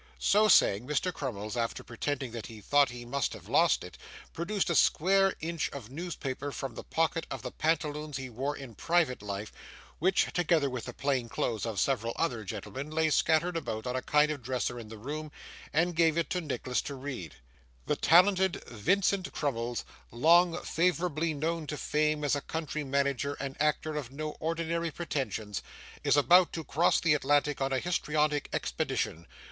So saying, Mr. Crummles, after pretending that he thought he must have lost it, produced a square inch of newspaper from the pocket of the pantaloons he wore in private life (which, together with the plain clothes of several other gentlemen, lay scattered about on a kind of dresser in the room), and gave it to Nicholas to read: 'The talented Vincent Crummles, long favourably known to fame as a country manager and actor of no ordinary pretensions, is about to cross the Atlantic on a histrionic expedition.